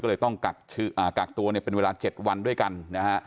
ก็เลยต้องกักตัวเนี่ยเป็นเวลา๗วันด้วยกันนะฮะ